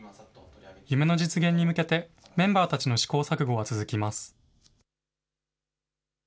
夢の実現に向けて、メンバーたちの試行錯誤は続きます。